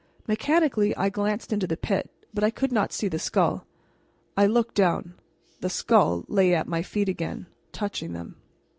Mechanically I glanced into the pit, but I could not see the skull. I looked down. The skull lay at my feet again, touching them.